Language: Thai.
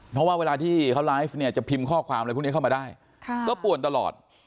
เพราะว่าเวลาที่เขาไลฟ์เนี่ยจะพิมพ์ข้อความอะไรพวกนี้เข้ามาได้ก็ป่วนตลอด